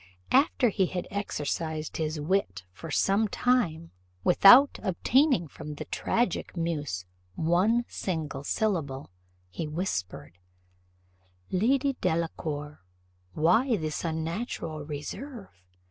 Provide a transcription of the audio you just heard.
After he had exercised his wit for some time, without obtaining from the tragic muse one single syllable, he whispered, "Lady Delacour, why this unnatural reserve?